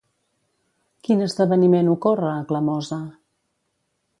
Quin esdeveniment ocorre a Clamosa?